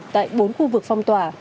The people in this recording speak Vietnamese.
tại bốn khu vực phong tỏa